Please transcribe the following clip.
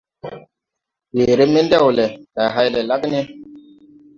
Weere mendewle, ndày hay le la genla?